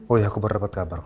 oh iya aku baru dapet kabar